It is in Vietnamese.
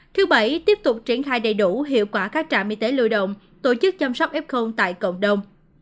thứ bảy tiếp tục triển khai đầy đủ hiệu quả các trạm y tế lưu động tổ chức chăm sóc f tại cộng đồng